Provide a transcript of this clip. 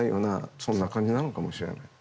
そんな感じなのかもしれない。